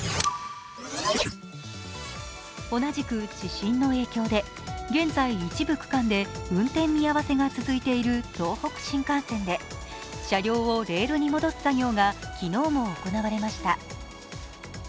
同じく地震の影響で現在、一部区間で運転見合わせが続いている東北新幹線で車両をレールに戻す作業が昨日も行われました。